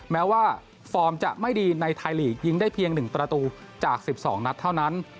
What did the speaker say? แม้ว่าฟอร์มจะไม่ดีในไทยลีกยิงได้เพียง๑ประตูจาก๑๒นัดเท่านั้น